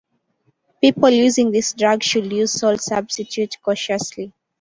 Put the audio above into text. People using this drug should use salt substitute cautiously.